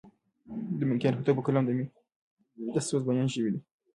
د ملکیار هوتک په کلام کې د مینې د سوز بیان شوی دی.